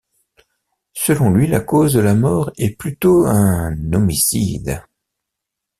Selon lui, la cause de la mort est plutôt un homicide.